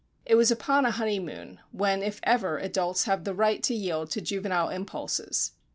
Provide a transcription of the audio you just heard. It was upon a honeymoon, when if ever, adults have the right to yield to juvenile impulses.